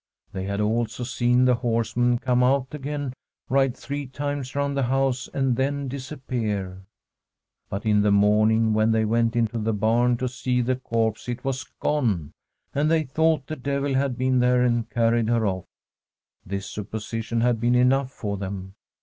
They had also seen the horse man come out again, ride three times round the house and then disappear. But in the morning, when they went into the barn to see the corpse, it I 318 1 A STORY fvm HALSTANAS was gone, and they thought the devil had been there and carried her off. This supposition had been enough for them.